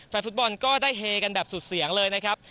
แฟนฟุตบอลก็ได้เฮกันแบบสุดเสียงเลยนะครับ